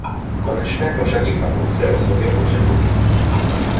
Konečné pořadí v tabulce rozhoduje počet bodů.